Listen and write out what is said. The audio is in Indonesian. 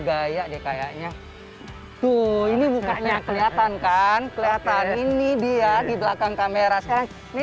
gaya deh kayaknya tuh ini bukannya kelihatan kan kelihatan ini dia di belakang kamera saya ini